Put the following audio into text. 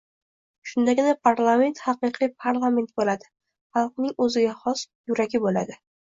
Shundagina parlament – haqiqiy parlament bo‘ladi. Xalqning o‘ziga xos... yuragi bo‘ladi.